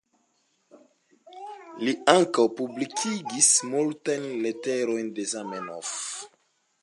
Li ankaŭ publikigis multajn leterojn de Zamenhof.